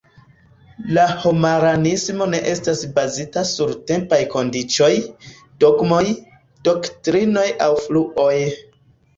La homaranismo ne estas bazita sur tempaj kondiĉoj, dogmoj, doktrinoj aŭ fluoj.